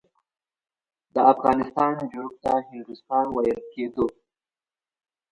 د افغانستان جنوب ته هندوستان ویل کېده.